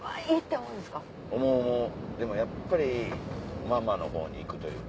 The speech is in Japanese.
思う思うでもやっぱりママのほうに行くというか。